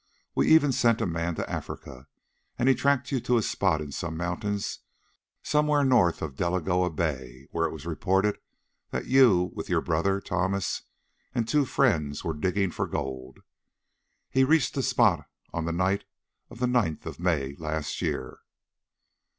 We even sent a man to South Africa, and he tracked you to a spot in some mountains somewhere north of Delagoa Bay, where it was reported that you, with your brother Thomas and two friends, were digging for gold. He reached the spot on the night of the ninth of May last year."